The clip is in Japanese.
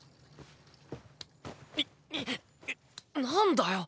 いっ何だよ！